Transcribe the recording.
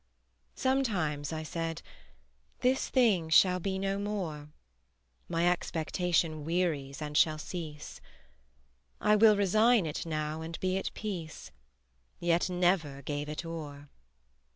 Sometimes I said: This thing shall be no more; My expectation wearies and shall cease; I will resign it now and be at peace: Yet never gave it o'er.